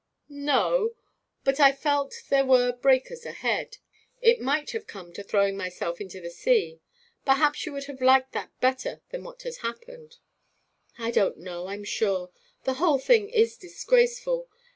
'No. But I felt there were breakers ahead. It might have come to throwing myself into the sea. Perhaps you would have liked that better than what has happened.' 'I don't know, I'm sure. The whole thing is disgraceful.